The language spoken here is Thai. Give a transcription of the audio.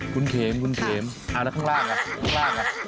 คุณเขมคุณเขมอ่าแล้วข้างล่างน่ะ